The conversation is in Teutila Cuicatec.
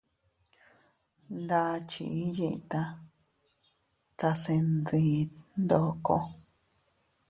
Ndakchi iiyita tase ndiit ndoko.